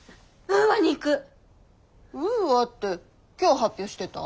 ウーアって今日発表してた。